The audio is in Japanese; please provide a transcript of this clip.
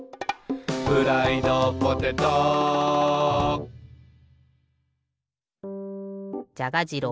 「フライドポテト」じゃが次郎